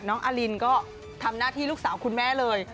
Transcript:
อลินก็ทำหน้าที่ลูกสาวคุณแม่เลย